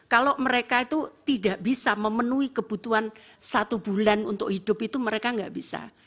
kalau mereka itu tidak bisa memenuhi kebutuhan satu bulan untuk hidup itu mereka nggak bisa